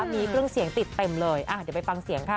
มีเครื่องเสียงติดเต็มเลยเดี๋ยวไปฟังเสียงค่ะ